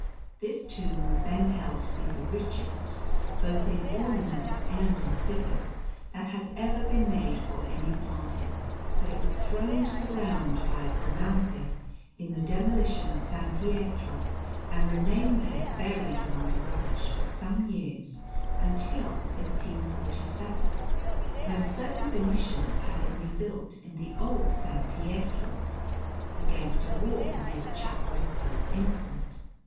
This tomb was then held to be the richest, both in ornaments and in figures, that had ever been made for any Pontiff; but it was thrown to the ground by Bramante in the demolition of S. Pietro, and remained there buried among the rubbish for some years, until 1547, when certain Venetians had it rebuilt in the old S. Pietro, against a wall near the Chapel of Pope Innocent.